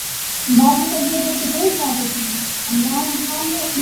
ہمارے ہاں جب علوم کے احیا کی کوئی تحریک اٹھے گی۔